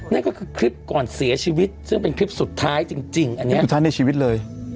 นั่นก็คือคลิปก่อนเสียชีวิตซึ่งเป็นคลิปสุดท้ายจริงอันนี้สุดท้ายในชีวิตเลย